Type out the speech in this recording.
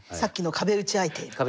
壁打ち相手。